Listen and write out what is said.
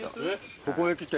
ここへ来て？